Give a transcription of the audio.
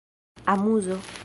amuzo